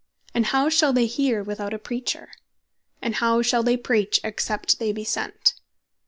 and how shall they hear without a Preacher? and how shall they Preach, except they be sent?"